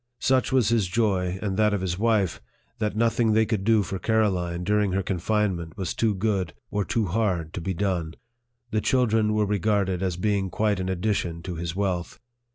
Such was his joy, and that of his wife, that nothing they could do for Caroline during her confine ment was too good, or too hard, to be done. The chil dren were regarded as being quite an addition to his wealth.